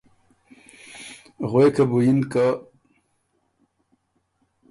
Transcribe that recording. غوېکه بُو یِن که